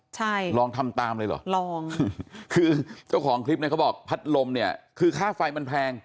ใช่ลองทำตามเลยเหรอลองคือเจ้าของคลิปเนี่ยเขาบอกพัดลมเนี่ยคือค่าไฟมันแพง